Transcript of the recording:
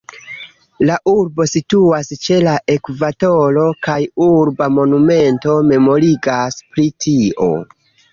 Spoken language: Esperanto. La urbo situas ĉe la ekvatoro, kaj urba monumento memorigas pri tio.